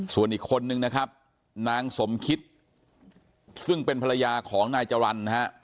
ส่วนอีกคนนึงนะครับนางสมคิดซึ่งเป็นภรรยาของนายจรรย์นะฮะ